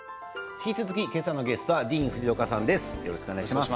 引き続き、けさのゲストはディーン・フジオカさんです。